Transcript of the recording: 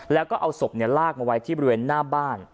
แล้วก็เอาศพลากมาไว้ที่บริเวณหน้าบ้าน